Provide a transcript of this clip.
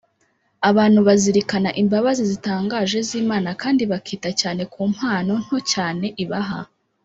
abantu bazirikana imbabazi zitangaje z’imana kandi bakita cyane ku mpano nto cyane ibaha,